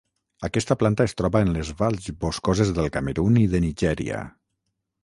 Aquesta planta es troba en les valls boscoses del Camerun i de Nigèria.